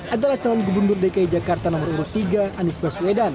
adalah calon gubernur dki jakarta nomor urut tiga anies baswedan